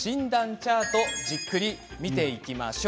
チャートをじっくりと見ていきましょう。